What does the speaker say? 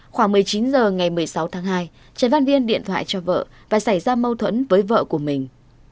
khoảng một mươi chín h ngày một mươi sáu tháng hai trần văn viên điện thoại cho vợ và xảy ra mâu thuẫn với vợ của mình